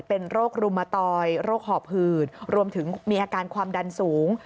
เป็นโรครุมตอยโรคหอบหืดรวมถึงมีอาการความดันสูง